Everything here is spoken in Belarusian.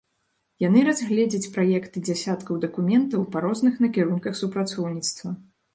Яны разгледзяць праекты дзясяткаў дакументаў па розных накірунках супрацоўніцтва.